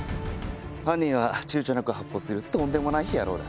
犯人はちゅうちょなく発砲するとんでもない野郎だ。